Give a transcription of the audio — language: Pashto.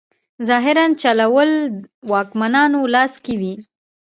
ظاهراً چلول واکمنانو لاس کې وي.